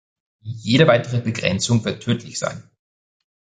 Jede weitere Begrenzung wird tödlich sein.